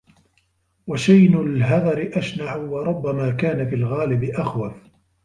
وَشَيْنُ الْهَذَرِ أَشْنَعُ ، وَرُبَّمَا كَانَ فِي الْغَالِبِ أَخْوَفَ